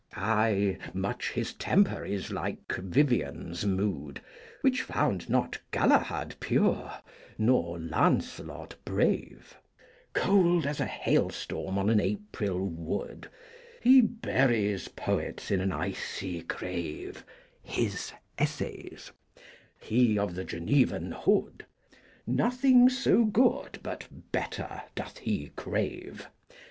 Ay, much his temper is like Vivien's mood, Which found not Galahad pure, nor Lancelot brave; Cold as a hailstorm on an April wood, He buries poets in an icy grave, His Essays he of the Genevan hood! Nothing so good, but better doth he crave.